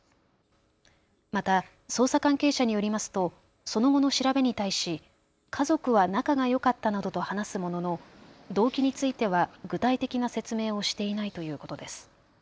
また捜査関係者によりますとその後の調べに対し家族は仲がよかったなどと話すものの動機については具体的な説明をしていないということです。